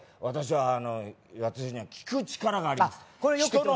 私は私には聞く力があります。